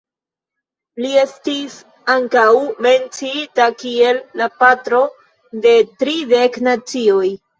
Li estis ankaŭ menciita kiel la patro de tridek nacioj.